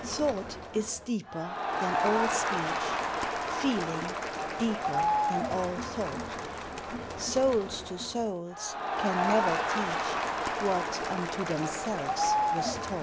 Thought is deeper than all speech, Feeling deeper than all thought; Souls to souls can never teach What unto themselves was taught.